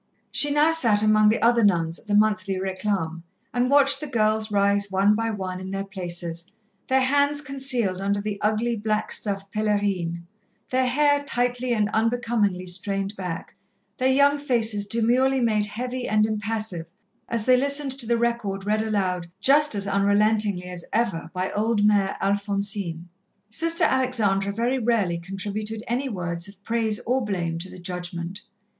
She now sat among the other nuns at the monthly réclame and watched the girls rise one by one in their places, their hands concealed under the ugly black stuff pèlerine, their hair tightly and unbecomingly strained back, their young faces demurely made heavy and impassive, as they listened to the record read aloud just as unrelentingly as ever by old Mère Alphonsine. Sister Alexandra very rarely contributed any words of praise or blame to the judgment.